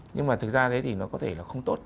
nhưng mà thực ra thế thì nó có thể là không tốt